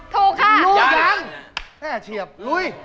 ถูกค่ะรู้จังแค่เฉียบลุย